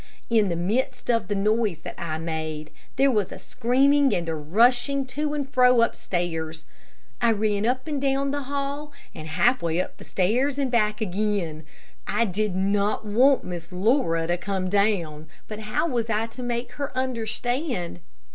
In the midst of the noise that I made, there was a screaming and a rushing to and fro upstairs. I ran up and down the hall, and half way up the steps and back again. I did not want Miss Laura to come down, but how was I to make her understand?